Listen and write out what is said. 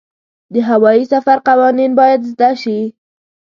د هوايي سفر قوانین باید زده شي.